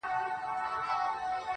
پرون دي بيا راڅه خوښي يووړله.